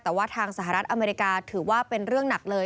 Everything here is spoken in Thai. แต่ว่าทางสหรัฐอเมริกาถือว่าเป็นเรื่องหนักเลย